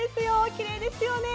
きれいですよね。